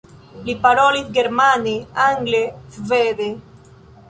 Li parolis germane, angle, svede.